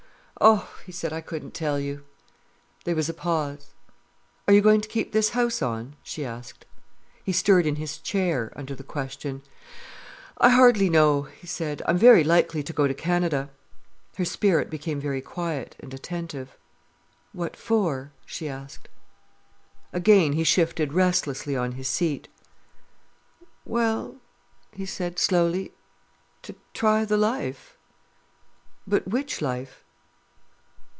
"Oh," he said, "I couldn't tell you." There was a pause. "Are you going to keep this house on?" she asked. He stirred in his chair, under the question. "I hardly know," he said. "I'm very likely going to Canada." Her spirit became very quiet and attentive. "What for?" she asked. Again he shifted restlessly on his seat. "Well"—he said slowly—"to try the life." "But which life?"